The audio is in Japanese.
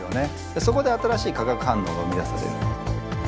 そこで新しい化学反応が生み出される。